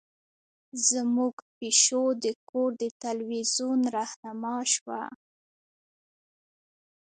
زمونږ پیشو د کور د تلویزیون رهنما شوه.